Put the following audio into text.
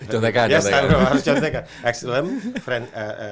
ya kan harus contekan